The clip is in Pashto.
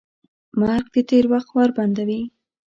مرګ د تېر وخت ور بندوي.